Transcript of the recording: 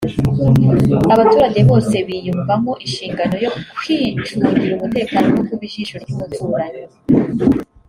abaturage bose biyumvamo inshingano yo kwicungira umutekano no kuba ijisho ry’umuturanyi